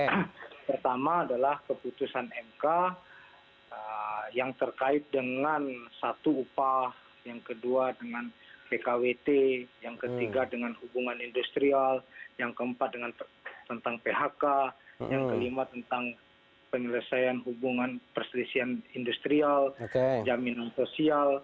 yang pertama keputusan mk yang terkait dengan satu upah yang kedua dengan pkwt yang ketiga dengan hubungan industrial yang keempat tentang phk yang kelima tentang penyelesaian hubungan perselisihan industrial jaminan sosial